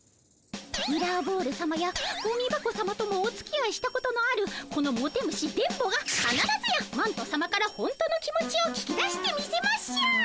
ミラーボールさまやゴミ箱さまともおつきあいしたことのあるこのモテ虫電ボがかならずやマントさまから本当の気持ちを聞き出してみせましょう。